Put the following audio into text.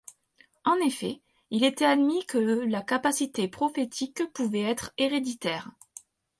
En effet, il était admis que la capacité prophétique pouvait être héréditaire.